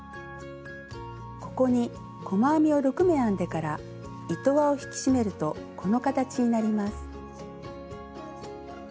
ここに細編みを６目編んでから糸輪を引き締めるとこの形になります。